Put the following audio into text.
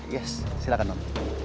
yes silahkan om